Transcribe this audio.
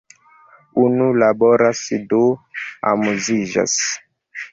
Unu laboras du amuziĝas!